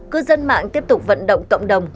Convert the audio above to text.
cư dân mạng tiếp tục vận động cộng đồng